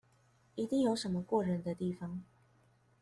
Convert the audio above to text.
一定有什麼過人的地方